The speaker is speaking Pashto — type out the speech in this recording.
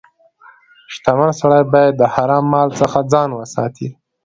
• شتمن سړی باید د حرام مال څخه ځان وساتي.